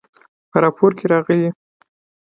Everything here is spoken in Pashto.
په راپور کې راغلي